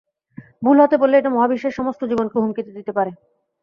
ভুল হাতে পড়লে এটা মহাবিশ্বের সমস্ত জীবনকে হুমকি দিতে পারে।